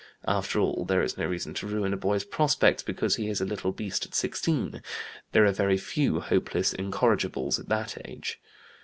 After all, there is no reason to ruin a boy's prospects because he is a little beast at sixteen; there are very few hopeless incorrigibles at that age.